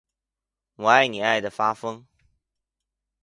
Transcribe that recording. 我爱你爱的发疯